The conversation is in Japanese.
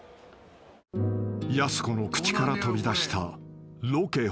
［やす子の口から飛び出した］